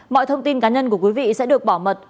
mọi thông tin cá nhân của quý vị sẽ được bảo mật